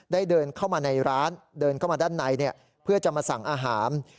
เดินเข้ามาในร้านเดินเข้ามาด้านในเพื่อจะมาสั่งอาหาร